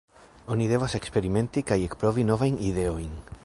Oni devos eksperimenti kaj ekprovi novajn ideojn.